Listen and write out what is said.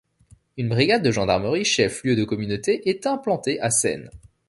Une brigade de gendarmerie chef-lieu de communauté est implantée à Seyne.